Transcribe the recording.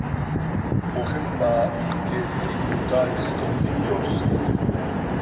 Moxima hiiquet quih Socaaix contihyoozi.